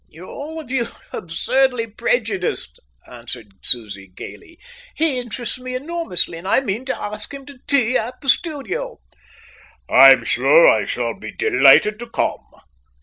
"You're all of you absurdly prejudiced," answered Susie gaily. "He interests me enormously, and I mean to ask him to tea at the studio." "I'm sure I shall be delighted to come."